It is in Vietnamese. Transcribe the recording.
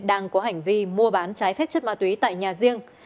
đang có hành vi mua bán trái phép chất ma túy tại nhà riêng